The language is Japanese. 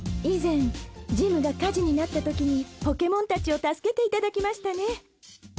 以前ジムが火事になった時にポケモンたちを助けていただきましたね。